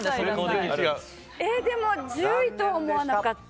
でも、１０位と思わなかった。